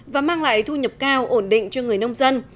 và mang lại thu nhập cao ổn định cho người nông dân